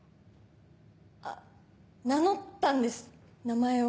名乗ったんです名前を。